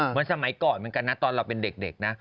เหมือนสมัยก่อนเหมือนกันนะตอนเราเป็นเด็กนะ